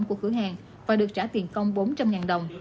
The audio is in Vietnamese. của cửa hàng và được trả tiền công bốn trăm linh đồng